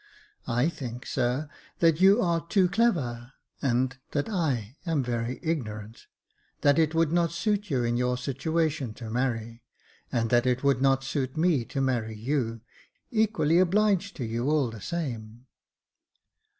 I think, sir, that you are too clever — and that I am very ignorant ; that it would not suit you in your situation to marry ; and that it would not suit me to marry you — equally obliged to you all the same."